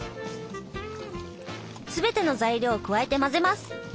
すべての材料を加えて混ぜます。